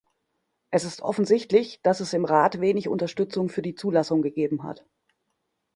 Es ist offensichtlich, dass es im Rat wenig Unterstützung für die Zulassung gegeben hat.